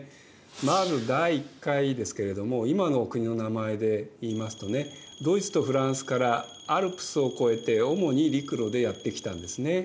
まず第１回ですけれども今の国の名前で言いますとねドイツとフランスからアルプスを越えて主に陸路でやって来たんですね。